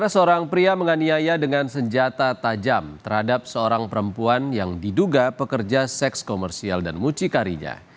seorang pria menganiaya dengan senjata tajam terhadap seorang perempuan yang diduga pekerja seks komersial dan mucikarinya